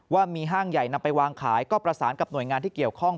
ว่ามีห้างใหญ่นำไปวางขายก็ประสานกับหน่วยงานที่เกี่ยวข้อง